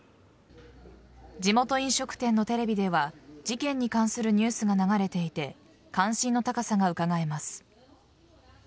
地元飲食店のテレビでは事件に関するニュースが流れていて関心の高さがうかがえます。